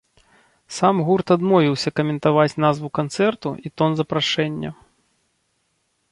Сам гурт адмовіўся каментаваць назву канцэрту і тон запрашэння.